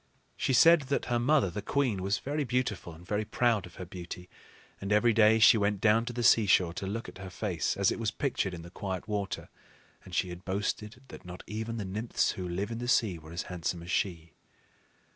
She said that her mother, the queen, was very beautiful and very proud of her beauty; and every day she went down to the seashore to look at her face as it was pictured in the quiet water; and she had boasted that not even the nymphs who live in the sea were as handsome as she.